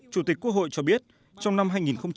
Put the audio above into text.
chủ tịch quốc hội cho biết trong năm hai nghìn một mươi bảy